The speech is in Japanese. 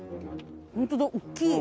ホントだ大っきい。